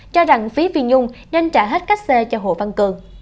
cho rằng phí phi nhung nhanh trả hết cách xê cho hồ văn cường